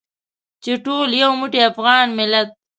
چې ټول یو موټی افغان ملت.